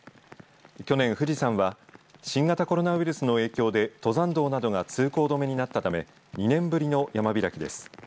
去年、富士山は新型コロナウイルスの影響で登山道などが通行止めになったため２年ぶりの山開きです。